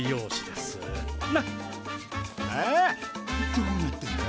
どうなってんだ？